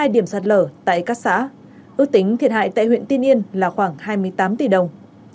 bảy mươi hai điểm sạt lở tại các xã ước tính thiệt hại tại huyện tình yên là khoảng hai mươi tám tỷ đồng